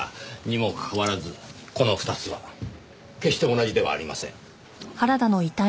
にもかかわらずこの２つは決して同じではありません。